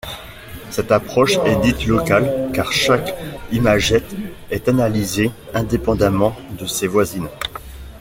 Cette approche est dite locale car chaque imagette est analysée indépendamment de ses voisines.